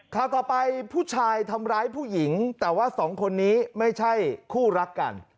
ข่าวต่อไปผู้ชายทำร้ายผู้หญิงแต่ว่าสองคนนี้ไม่ใช่คู่รักกัน